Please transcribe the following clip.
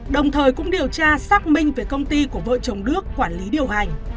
đồng thời cũng điều tra xác minh về công ty của vợ chồng đức quản lý điều hành